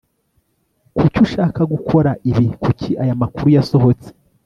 Kuki ushaka gukora ibi Kuki aya makuru yasohotse